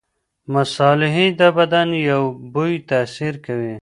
مصالحې د بدن په بوی تاثیر کوي.